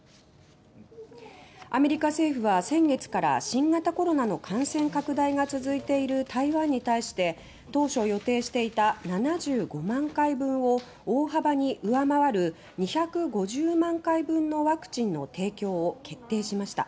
アメリカ政府は先月から新型コロナの感染拡大が続いている台湾に対して当初、予定していた７５万回分を大幅に上回る２５０万回分のワクチンの提供を決定しました。